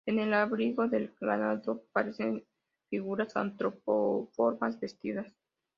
En el abrigo del Ganado aparecen figuras antropomorfas vestidas.